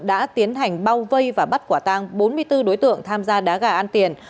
đã tiến hành bao vây và bắt quả tăng bốn mươi bốn đối tượng tham gia đá gà ăn tiền